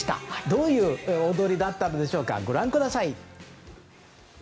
どういう踊りだったのでしょうかご覧ください。